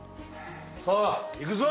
さあ行くぞ！